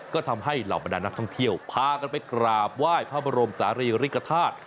ก็ทำให้เหล่าบรรดานักท่องเที่ยวพากันไปกราบไหว้พระบรมศาลีริกฐาตุ